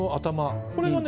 これがね